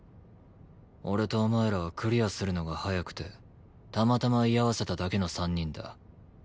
俺とお前らはクリアするのが早くてたまたま居合わせただけの３人だ。